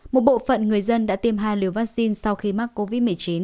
một bộ phận người dân đã tiêm hai liều vaccine sau khi mắc covid một mươi chín